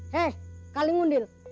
hei kaling undil